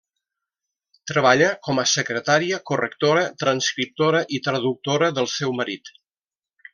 Treballa com a secretària, correctora, transcriptora i traductora del seu marit.